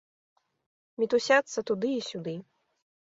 Мітусяцца туды і сюды.